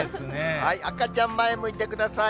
赤ちゃん、前向いてください。